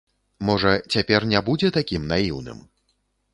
Можа, цяпер не будзе такім наіўным.